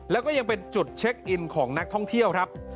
แล้วก็ยังเป็นจุดเช็คอินของนักท่องเที่ยวครับ